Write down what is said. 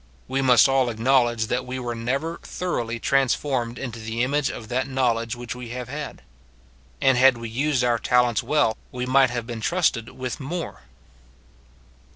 We must all acknowledge that we were never thoroughly transformed into the image of that knowledge which we have had. And had we used our talents well, we might have been trusted with more.